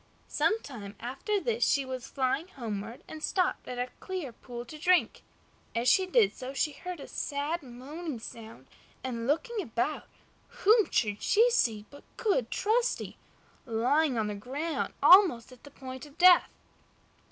Some time after this she was flying homeward and stopped at a clear pool to drink. As she did so she heard a sad, moaning sound, and looking about, whom should she see but good Trusty, lying on the ground, almost at the point of death.